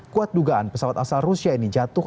kuat dugaan pesawat asal rusia ini jatuh